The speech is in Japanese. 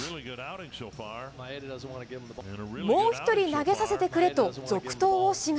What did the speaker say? もう１人投げさせてくれと、続投を志願。